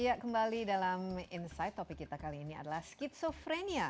ya kembali dalam insight topik kita kali ini adalah skizofrenia